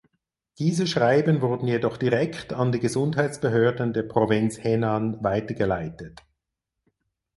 Diese Schreiben wurden jedoch direkt an die Gesundheitsbehörden der Provinz Henan weitergeleitet.